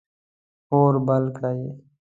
اور بل کړئ